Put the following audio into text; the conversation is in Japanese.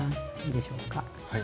いいでしょうか。